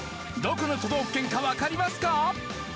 どこの都道府県かわかりますか？